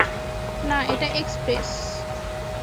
না এটা এক্সপ্রেস।